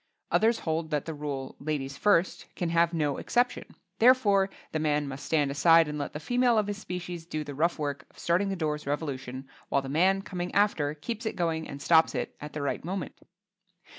Others hold that the rule "Ladies first" can have no exception, therefore the man must stand aside and let the female of his species do the rough work of starting the door's revolution while the man, coming after, keeps it going and stops it at the right moment.